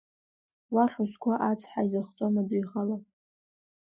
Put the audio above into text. Уахь узго ацҳа изыхҵом аӡәы ихала.